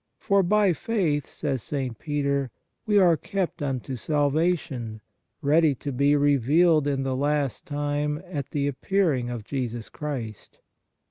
For " by faith," says St. Peter, " we are kept unto salvation, ready to be revealed in the last time at the appearing of Jesus Christ."